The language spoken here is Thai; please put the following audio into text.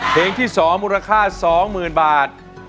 เพลงที่สองนี้มูลค่า๒๐๐๐๐บาท